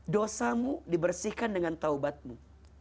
dosamu dibersihkan dengan taubatmu